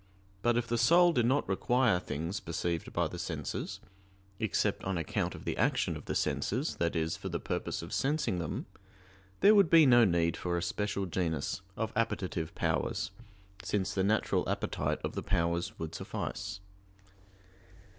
But if the soul did not require things perceived by the senses, except on account of the actions of the senses, that is, for the purpose of sensing them; there would be no need for a special genus of appetitive powers, since the natural appetite of the powers would suffice.